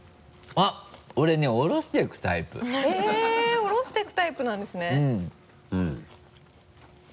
下ろしていくタイプなんですね。